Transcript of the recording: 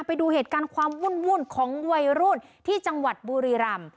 ไปดูเหตุการณ์ความวุ่นของวัยรุ่นที่จังหวัดบุรีรำ